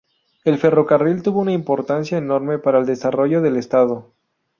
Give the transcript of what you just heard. El ferrocarril tuvo una importancia enorme para el desarrollo del Estado.